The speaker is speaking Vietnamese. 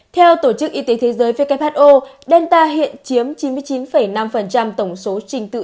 theo tổ chức y tế thế giới who delta hiện chiếm chín mươi chín năm tổng số trình tự